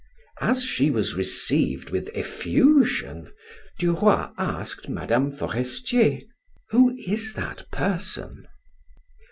As she was received with effusion, Duroy asked Mme. Forestier: "Who is that person?"